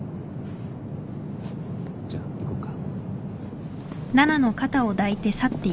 じゃあ行こっか。